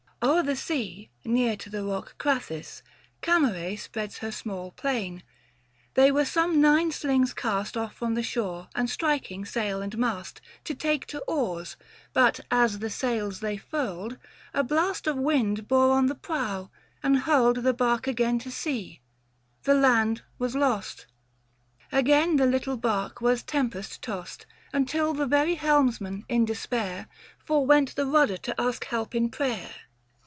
O'er the sea, Near to the rocky Crathis, pamere 630 Spreads her small plain : they were some nine slings' cast Off from the shore and striking sail and mast To take to oars, but as the sails they furled, A blast of wind bore on the prow, and hurled The bark again to sea : the land was lost. 635 Again the little bark was tempest tost, Until the very helmsman, in despair, Forewent the rudder to ask help in prayer.